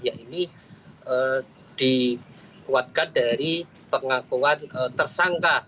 yang ini dikuatkan dari pengakuan tersangka